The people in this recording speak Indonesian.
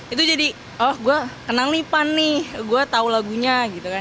itu jadi oh gue kenal nih pan nih gue tau lagunya gitu kan